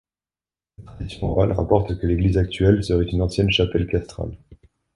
La tradition orale rapporte que l'église actuelle serait une ancienne chapelle castrale.